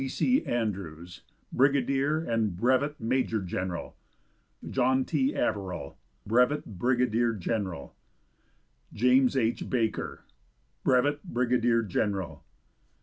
C. C. Andrews, Brigadier and Brevet Major General. John T. Averill, Brevet Brigadier General. James H. Baker, Brevet Brigadier General.